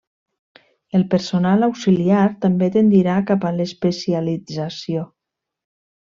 El personal auxiliar també tendirà cap a l'especialització.